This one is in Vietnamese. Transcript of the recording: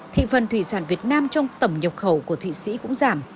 thị phần thủy sản việt nam trong tầm nhập khẩu của thụy sĩ cũng giảm